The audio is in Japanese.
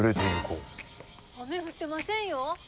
雨降ってませんよ。